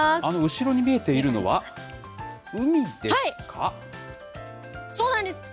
後ろに見えているのは、海ですか？